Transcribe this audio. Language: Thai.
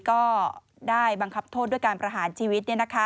ก็ได้บังคับโทษด้วยการประหารชีวิต